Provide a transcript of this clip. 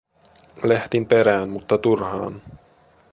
Lähdin perään, mutta turhaan.